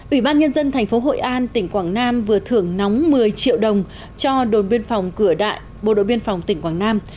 ủy ban nhân dân tp hội an tỉnh quảng nam vừa thưởng nóng một mươi triệu đồng cho đồn biên phòng cửa đại bộ đội biên phòng tỉnh quảng nam